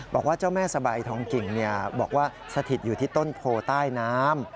บอกว่าเจ้าแม่สบายทองกิ่งบอกว่าสถิตอยู่ที่ต้นโพใต้น้ำ